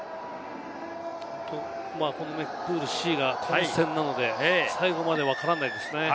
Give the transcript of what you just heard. プールＣが混戦なので、最後までわからないですね。